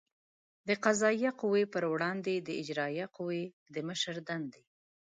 د قضایه قوې پر وړاندې د اجرایه قوې د مشر دندې